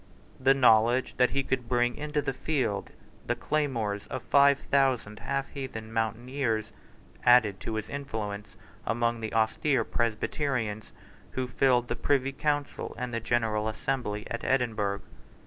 The knowledge that he could bring into the field the claymores of five thousand half heathen mountaineers added to his influence among the austere Presbyterians who filled the Privy Council and the General Assembly at Edinburgh.